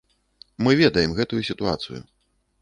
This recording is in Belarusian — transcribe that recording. Мы ведаем гэтую сітуацыю.